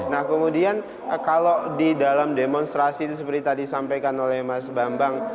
nah kemudian kalau di dalam demonstrasi seperti tadi disampaikan oleh mas bambang